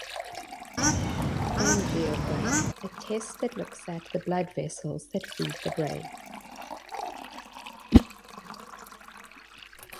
Angiogram: a test that looks at the blood vessels that feed the brain.